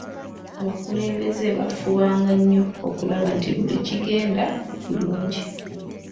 Abakulumbeze baafubanga nnyo okulaba nti buli kigenda bulungi.